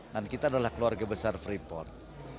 dan kita adalah keluarga besar freeport